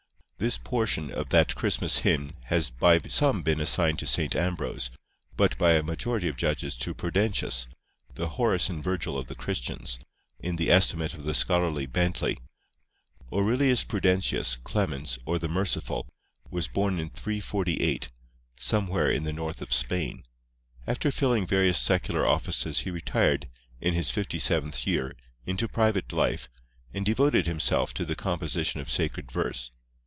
This portion of that Christmas hymn has by some been assigned to St. Ambrose, but by a majority of judges to Prudentius, "the Horace and Virgil of the Christians," in the estimate of the scholarly Bentley. Aurelius Prudentius, Clemens, or the Merciful, was born in 348, somewhere in the north of Spain. After filling various secular offices he retired, in his fifty seventh year, into private life, and devoted himself to the composition of sacred verse.